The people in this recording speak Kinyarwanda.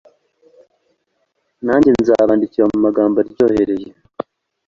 nanjye nzabandikira mu magambo aryohereye